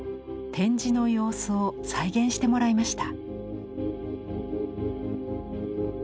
展示の様子を再現してもらいました。